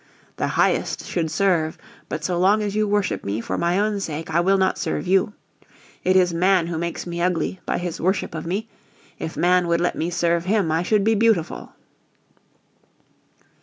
"The highest should serve, but so long as you worship me for my own sake I will not serve you. It is man who makes me ugly, by his worship of me. If man would let me serve him, I should be beautiful!"